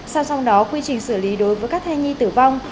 sau trong đó quy trình xử lý đối với các thai nhi tử vong